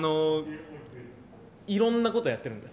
いろんなことやってるんです。